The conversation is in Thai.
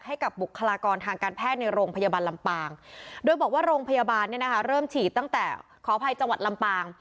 ให้กับบุคลากรทางการแพทย์ในโรงพยาบาลลำปางโดยบอกว่าโรงพยาบาลเนี่ยนะคะเริ่มฉีดตั้งแต่ขออภัยจังหวัดลำปาง